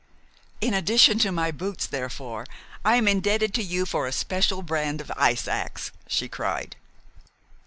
"In addition to my boots, therefore, I am indebted to you for a special brand of ice ax," she cried.